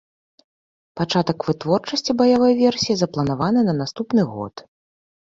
Пачатак вытворчасці баявой версіі запланаваны на наступны год.